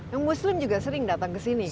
yang muslim juga sering datang kesini kan